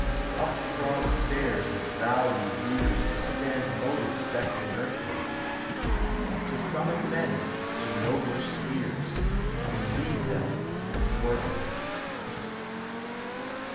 ••••• Up the broad stairs that Value rears Stand motives beck'ning earthward, To summon men to nobler spheres, And lead them worthward.